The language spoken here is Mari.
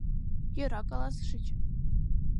Йӧра каласышыч...